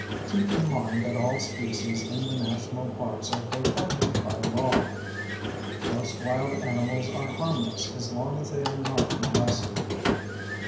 Keep in mind that all species in the national parks are protected by law. Most wild animals are harmless as long as they are not molested.